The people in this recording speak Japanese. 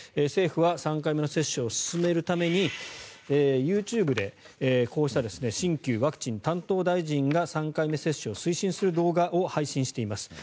政府は３回目の接種を進めるためにＹｏｕＴｕｂｅでこうした新旧ワクチン担当大臣が３回目接種を推進する動画を配信しています。